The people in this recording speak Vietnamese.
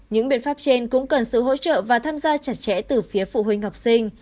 những biện pháp trên cũng cần sự hỗ trợ và tham gia chặt chẽ từ phía phụ huynh học sinh